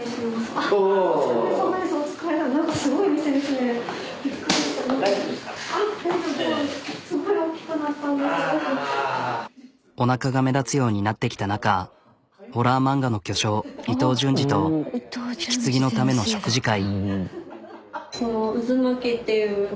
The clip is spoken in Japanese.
あっお疲れあっあっおなかが目立つようになってきた中ホラー漫画の巨匠伊藤潤二と引き継ぎのための食事会。